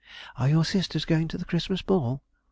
"Are your sisters going to the Christmas ball?"